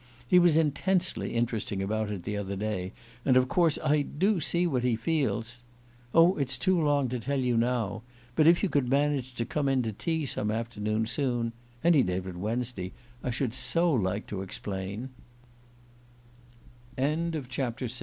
He was intensely interesting about it the other day, and of course I do see what he feels. ... Oh, it's too long to tell you now; but if you could manage to come in to tea some afternoon soon any day but Wednesday I should so like to explain " THE EYES I WE had been